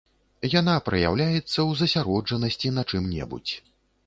Яна праяўляецца ў засяроджанасці на чым-небудзь.